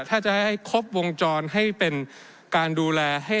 ถ้าจะให้ครบวงจรให้เป็นการดูแลให้